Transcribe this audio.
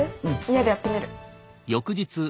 家でやってみる。